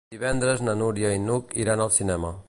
Divendres na Núria i n'Hug iran al cinema.